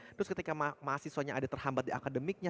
terus ketika mahasiswanya ada terhambat di akademiknya